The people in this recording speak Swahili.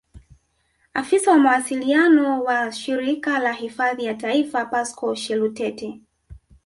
Afisa wa mawasiliano wa Shirika la Hifadhi za Taifa Pascal Shelutete